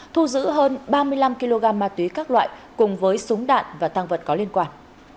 thu giữ hơn ba mươi năm kg ma túy các loại cùng với súng đạn và tăng vật có liên quan